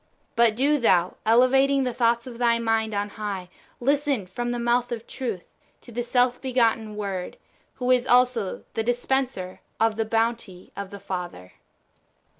But do thou, elevating the thoughts of thy mind on high, listen from the mouth of Truth to the self begotten Word, who is also the dispenser of the bounty of the Father.